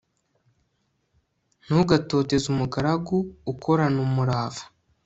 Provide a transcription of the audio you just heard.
ntugatoteze umugaragu ukorana umurava